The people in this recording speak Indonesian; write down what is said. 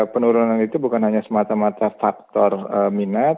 penurunan itu bukan hanya semata mata faktor minat